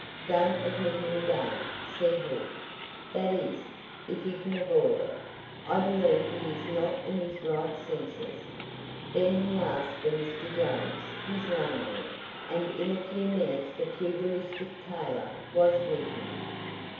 "Don't admit him again," said he; "that is, if you can avoid it. I believe he is not in his right senses." Then he asked for Mr. Jones, his landlord, and in a few minutes the pugilistic tailor was with him.